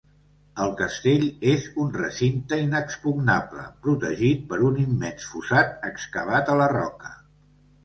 El castell és un recinte inexpugnable, protegit per un immens fossat excavat a la roca.